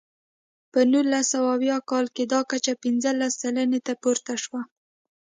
په نولس سوه اویا کال کې دا کچه پنځلس سلنې ته پورته شوه.